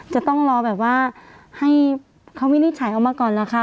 จะต้องรอแบบว่าให้เขาวินิจฉัยออกมาก่อนล่ะคะ